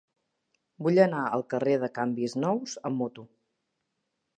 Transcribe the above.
Vull anar al carrer dels Canvis Nous amb moto.